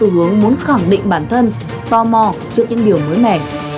hướng muốn khẳng định bản thân to mò trước những điều mới mẻ